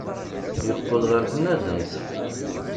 Yeqqel ɣer tnazent.